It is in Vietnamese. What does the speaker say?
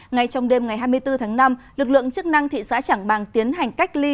ngay trong đêm ngày hai mươi bốn tháng năm lực lượng chức năng thị xã trảng bàng tiến hành cách ly